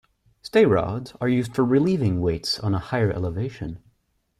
Stay rods are used for relieving weights on a higher elevation.